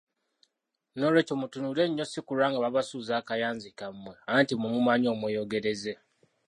N'olwekyo mutunule nnyo si kulwa nga babasuuza akayanzi kammwe, anti mumumanyi omweyogereze!